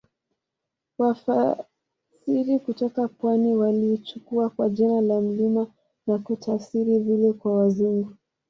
Wafasiri kutoka pwani waliichukua kuwa jina la mlima na kutafsiri vile kwa Wazungu